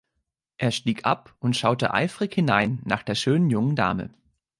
Er stieg ab und schaute eifrig hinein nach der schönen jungen Dame.